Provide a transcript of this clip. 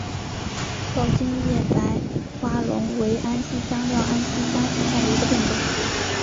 抱茎叶白花龙为安息香科安息香属下的一个变种。